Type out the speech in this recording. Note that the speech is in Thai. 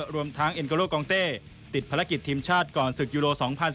รวมทั้งเอ็นโกโลกองเต้ติดภารกิจทีมชาติก่อนศึกยูโร๒๐๑๙